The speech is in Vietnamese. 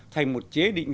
thành một chế định